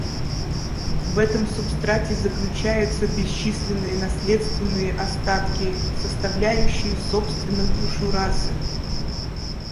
В этом субстрате заключаются бесчисленные наследственные остатки, составляющие собственно душу расы.